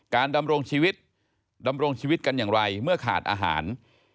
ดำรงชีวิตดำรงชีวิตกันอย่างไรเมื่อขาดอาหาร